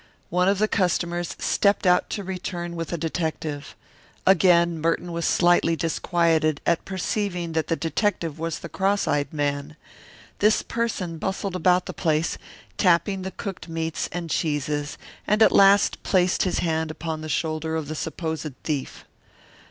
One of the customers stepped out to return with a detective. Again Merton was slightly disquieted at perceiving that the detective was the cross eyed man. This person bustled about the place, tapping the cooked meats and the cheeses, and at last placed his hand upon the shoulder of the supposed thief.